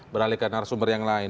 beralih ke narasumber yang lain